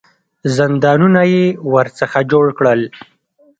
زندانونه یې ورڅخه جوړ کړل.